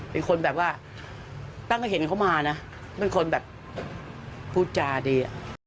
เป็นคนแบบว่าตั้งแต่เห็นเขามานะเป็นคนแบบพูดจาดี